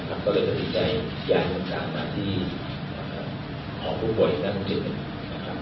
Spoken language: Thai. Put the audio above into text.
ก็เลยเป็นดีใจย้ายต้องการมาที่หอคุกป่วยนักธุรกิจ